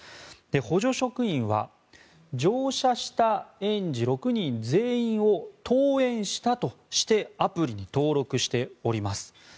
補助職員は乗車した園児６人全員を登園したとしてアプリに登録しております。